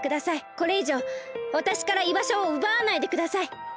これいじょうわたしからいばしょをうばわないでください！